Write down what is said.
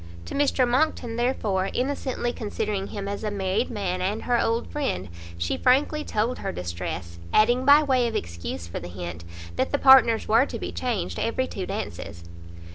To Mr Monckton therefore, innocently considering him as a married man and her old friend, she frankly told her distress, adding, by way of excuse for the hint, that the partners were to be changed every two dances.